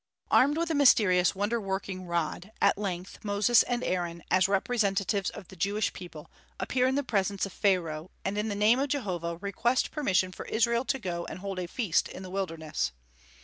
Armed with the mysterious wonder working rod, at length Moses and Aaron, as representatives of the Jewish people, appear in the presence of Pharaoh, and in the name of Jehovah request permission for Israel to go and hold a feast in the wilderness.